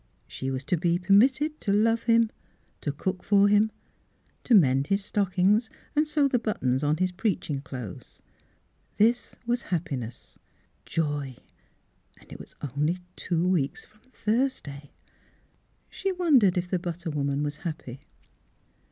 She was to be permitted to love him, to cook for him, to mend his stockings and sew the buttons on his preaching clothes. This was hap piness — joy, and it was only two weeks fromi Thursday. She wondered if the butter woman was happy.